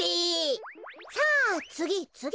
さあつぎつぎ！